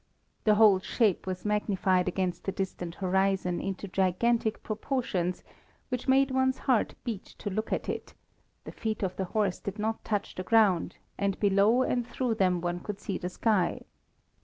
The whole shape was magnified against the distant horizon into gigantic proportions, which made one's heart beat to look at it; the feet of the horse did not touch the ground, and below and through them one could see the sky.